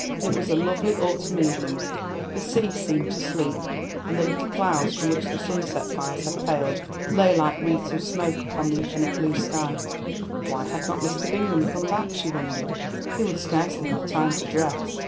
It was a lovely autumn evening; the sea seemed to sleep, and the little clouds, from which the sunset fires had paled, lay like wreaths of smoke upon the infinite blue sky. Why had not Mr. Bingham come back, she wondered; he would scarcely have time to dress.